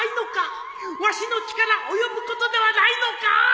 わしの力及ぶことではないのか？